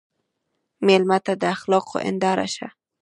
مېلمه ته د اخلاقو هنداره شه.